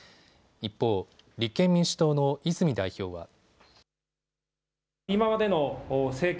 一方、立憲民主党の泉代表は。